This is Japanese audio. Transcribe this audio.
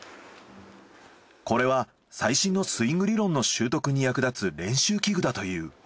これは最新のスイング理論の習得に役立つ練習器具だという。